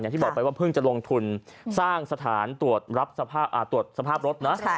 ที่บอกไปว่าเพิ่งจะลงทุนสร้างสถานตรวจรับตรวจสภาพรถนะ